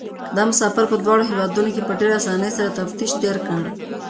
دا مسافر په دواړو هېوادونو کې په ډېرې اسانۍ سره تفتيش تېر کړ.